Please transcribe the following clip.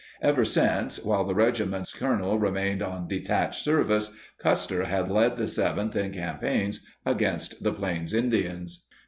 Ever since, while the regiment's colonel remained on detached service, Custer had led the 7th in campaigns against the Plains Indians.